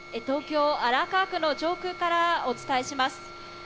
東京・荒川区の上空からお伝えします。